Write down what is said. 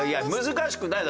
難しくないよ。